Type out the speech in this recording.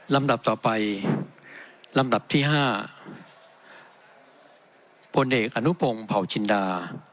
ลำดับต่อไปลำดับที่ห้าบนเอกอนุโปรงเผาจินดา